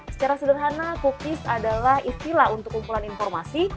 secara sederhana cookies adalah istilah untuk kumpulan informasi